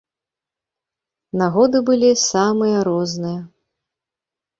Нагоды былі самыя розныя.